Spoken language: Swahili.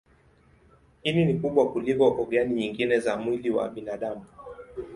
Ini ni kubwa kuliko ogani nyingine za mwili wa binadamu.